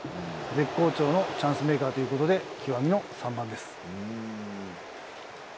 絶好調のチャンスメーカーということで、極みの３番です。